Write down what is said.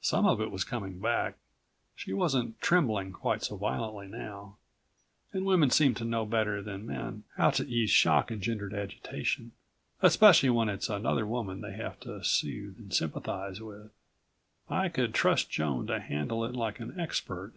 Some of it was coming back, she wasn't trembling quite so violently now, and women seem to know better than men how to ease shock engendered agitation ... especially when it's another woman they have to soothe and sympathize with. I could trust Joan to handle it like an expert.